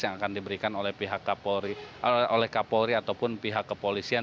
yang akan diberikan oleh kapolri ataupun pihak kepolisian